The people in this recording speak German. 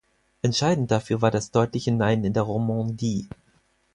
Entscheidend dafür war das deutliche Nein in der Romandie.